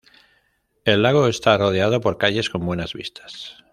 El lago está rodeado por calles con buenas vistas.